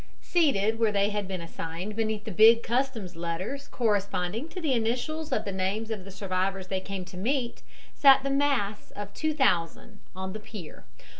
Seated where they had been assigned beneath the big customs letters corresponding to the initials of the names of the survivors they came to meet, sat the mass of 2000 on the pier.